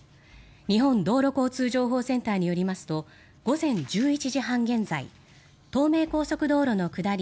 日本道路交通情報センターによりますと午前１１時半現在東名高速道路の下り